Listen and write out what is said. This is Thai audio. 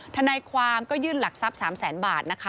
ทนายความก็ยื่นหลักทรัพย์๓แสนบาทนะคะ